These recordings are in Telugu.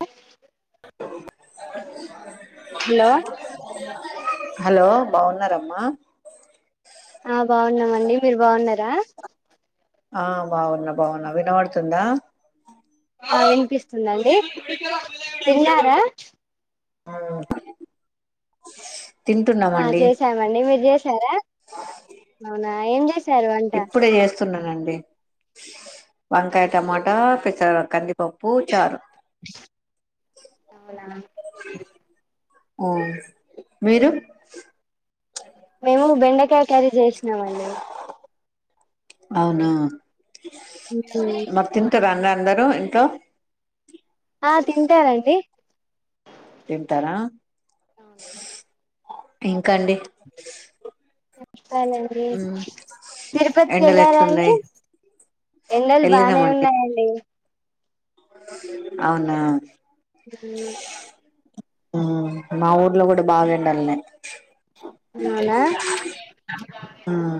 హ్ అ [inaudible] హలో హలో బాగున్నారామ్మ ఆ బాగున్నామండి మీరు బాగున్నారా ఆ బాగున్నా బాగున్నా వినవడుతుందా ఆ వినిపిస్తుందండి తిన్నారా ఆ వ్ ఆ చేసామండి మీరు చేసారా అవునా ఏం చేస్ ఇప్పుడే చేస్తున్నానండి వంకాయ టమాటా అవునా పెస కందిపప్పు చారు అవునా ఆ మీరు మేము బెండకాయ కర్రీ చేసినామండి అవునా మరి తింటారా అంద్ అందరూ ఇంట్లో ఆ తింటారండి తింటరా ఇంకాండి చెప్పాలాండి ఎండలు తిరుపతికేళ్లారా అండి ఎట్లున్నాయి ఎండలు బానే వెళ్ళినామండి ఉన్నాయండి అవునా హ్మ్ ఆ మా ఊర్లో కూడా బాగా ఎండలున్నాయి అవునా ఉమ్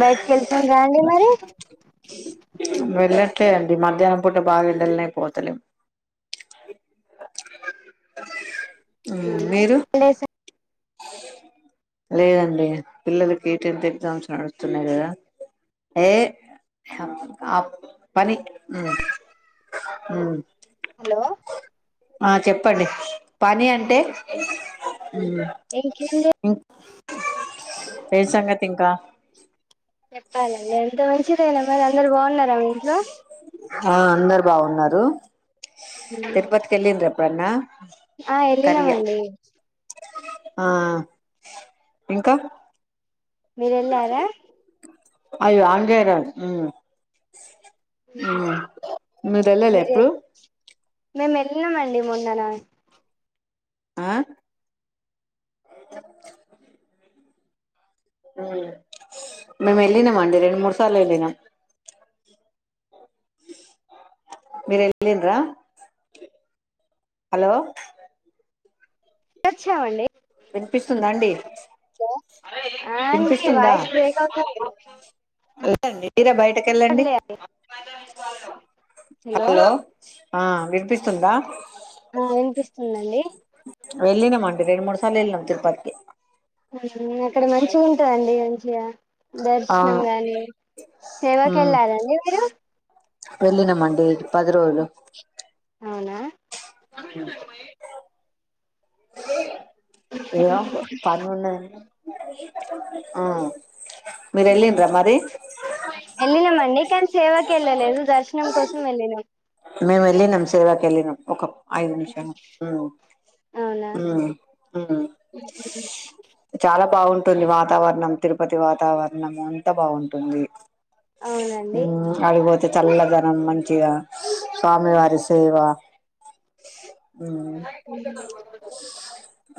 బయటికి వెళ్తుండర అండి మరి లే అండి మధ్యాహ్నం పూట బాగా ఎండలనే పోతలేము [inaudible] లేద్ లేదండి పిల్లలకి టెన్త్ ఎగ్జామ్స్ నడుస్తున్నాయి కదా ఏ ఆ పని ఉమ్ హలో ఆ చెప్పండి పని అంటే ఇంకేంది ఏం సంగతి ఇంకా చెప్పాలండి ఎంత మంచిదయినా మరి అందరు బాగున్నారా మీ ఇంట్లో ఆ అందరు బాగున్నారు తిరుపతికి వెళ్ళిండ్ర ఎప్పుడన్నా ఆ కరియా ఎల్లినామండి ఆ ఇంకా మీర ఎళ్ళారా అయ్యో ఆన్ చేయరా మీరు వెళ్ళాల ఎప్పుడు మేము వెళ్ళినమండి మొన్న ఆ హ మేమ్ ఎల్లినాం అండి రెండు మూడు సార్లు వెళ్ళనామ్ మీరెల్లిన్ర హలో వెళ్ళోచ్చామండి వినిపిస్తుందా అండి ఆ అండి వినిపిస్తుందా వాయిస్ బ్రేక్ అవుతుంది డి మీర బయట హలో హలో ఆ వినిపిస్తుందా ఆ వినిపిస్తుందండి వెళ్ళినం అండి రెండు మూడు సార్లు వెళ్ళినాము తిరుపతికి అక్కడ మంచి ఉంటందండి మంచిగా దర్శనం అవును గాని సేవకి వెళ్ళారాండి మీరు వెళ్ళినమండి పది రోజులు అవునా అ [unintelligible] ఆ మీరెలిన్రా మరి అన్ని కని సేవకి వెళ్ళలేదు దర్శనం కోసం వెళ్ళినం మేము వెళ్ళినాం సేవకి వెళ్ళినాం ఒక ఐదు నిమిషాలు ఉమ్ అవునా ఉమ్ చాలా బాగుంటు తన్ని వాతావరణం తిరుపతి వాతావరణం అంతా బాగుంటుంది అవునండి ఉమ్ ఆడికిపోతే చల్లదనం మంచిగా స్వామివారి సేవా ఉమ్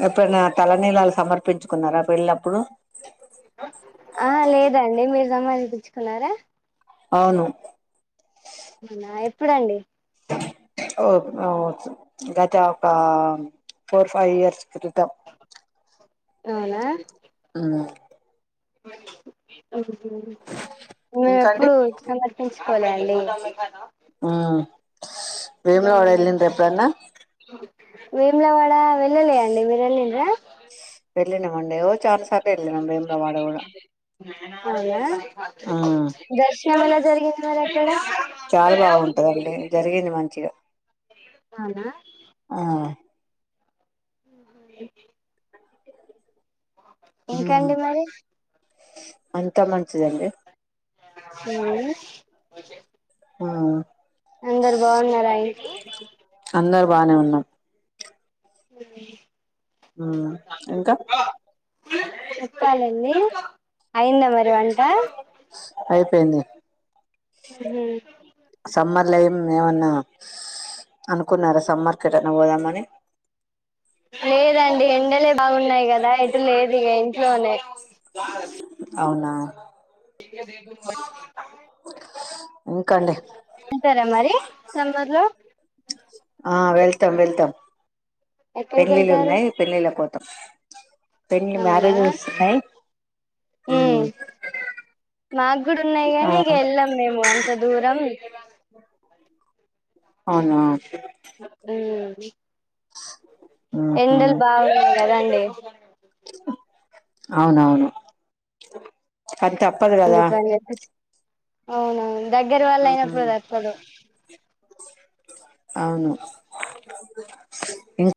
ఎప్పుడైనా తలనీళాలు సమర్పించుకున్నారా వెళ్ళినప్పుడు ఆ లేదండి మీరు సమర్పించుకున్నారా అవును అవునా ఎప్పుడండి ఒ ఒ గత ఒక ఫోర్ ఫైవ్ ఇయర్స్ క్రితం అవునా మ్ మ్ హూ ఇంక ఇంకా అండి ఎప్పుడు సమర్పించు కోలే అండి ఆ వేములవాడ వెళ్లిండ్రా ఎప్పుడన్నా వేములవాడ వెళ్లలే అండి మీరు వెళ్లిండ్రా వెళ్లినము అండి ఓ చానా సార్ అవునా ఆ దర్శనం ఎలా జరిగింది మరక్కడ చాలా బాగుంటదండి జరిగింది మంచిగా అవునా ఆ మ్ హూ ఉమ్ ఇంకేంటి మరి అంతా మంచిదండి ఉమ్ ఉమ్ అందరు బాగున్నారా అండి అందరు బానే ఉన్నాం మ్ మ్ ఇంకా చెప్పాలండి అయిందా మరి వంట ఐపీంది హ్మ్ లేం ఏమన్నా అనుకున్నారా సమ్మర్ కు ఎటాన్న పోదామని లేదండి ఎండలే బాగున్నాయి కదా ఎటు లేదు ఇగ ఇంట్లోనే అవునా ఇగ దేనితోటి వాడతం మహాబారతం ఇంకండి వెళ్తారా మరి సమ్మర్ లో ఆ వెళ్తాం వెళ్తాం ఎక్కడికి పెళ్లిళ్లు వెళ్తారు ఉన్నాయి పెళ్లిళ్ల కు పోతాం పెన్నీ మారేజల్స్ ఉన్నాయి మ్ మ్మ్ మాకు కూడా ఉన్నాయి ఆ కానీ ఇక వెళ్ళాం మేము అం త దూరం అవునా మ్ మ్మ్ ఎండలు హ్మ్ బాగున్నాయి కదండి అవునవును కాని తప్పదు కదా ఎందుకని చెప్పేసి అవునవును దగ్గర వాళ్లు అయినప్పుడు ఉమ్, తప్పదు అవును ఇం